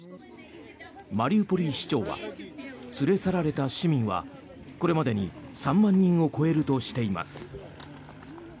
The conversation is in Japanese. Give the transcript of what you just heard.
マリウポリ市長は連れ去られた市民はこれまでに３万人を超えるとしています。